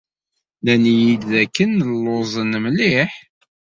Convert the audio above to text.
Nnan-iyi-d dakken llan lluẓen mliḥ.